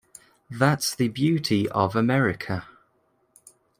That's the beauty of America.